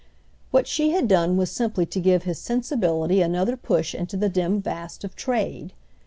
What she had done was simply to give his sensibility another push into the dim vast of trade.